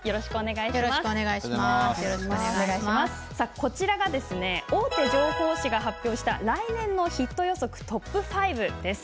こちらが大手情報誌が発表した来年のヒット予測トップ５です。